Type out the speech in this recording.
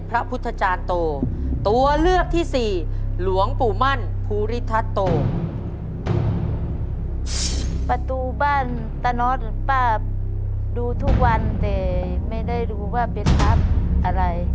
ประตูบานตะนอดป้าดูทุกวันแต่ไม่ได้รู้ว่าเป็นครับอะไร